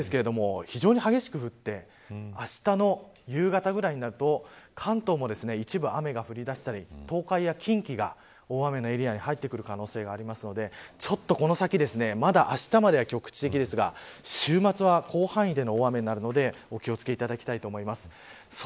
局地的なんですけれども非常に激しく降ってあしたの夕方ぐらいになると関東も一部、雨が降り出したり東海や近畿が大雨のエリアに入ってくる可能性があるのでこの先、まだあしたまでは局地的ですが週末は広範囲での大雨になるのでお気を付けください。